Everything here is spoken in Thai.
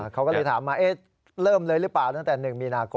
เขาก็เลยถามมาเริ่มเลยหรือเปล่าตั้งแต่๑มีนาคม